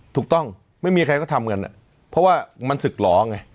ถูกต้องไม่มีใครก็ทำกันเพราะว่ามันศึกหลอไง